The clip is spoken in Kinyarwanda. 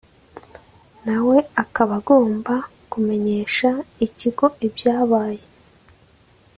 na we akaba agomba kumenyesha ikigo ibyabaye